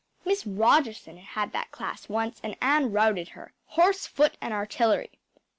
Miss Rogerson had that class once and Anne routed her, horse, foot and artillery.